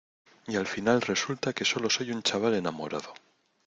y al final resulta que solo soy un chaval enamorado.